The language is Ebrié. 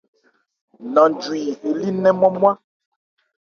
Nanjwi elí nnɛn ńmwá-nmwá.